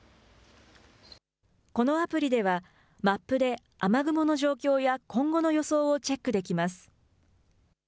このアプリではマップで雨雲の状況や今後の予想をチェックできます。